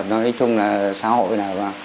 nói chung là xã hội là